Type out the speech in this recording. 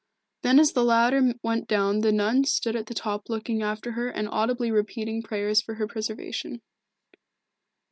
Then as the latter went down the nun stood at the top looking after her and audibly repeating prayers for her preservation.